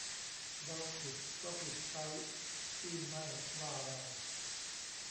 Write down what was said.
เราผิดก็ผิดไซร้ พี่ไม่ ว่าไร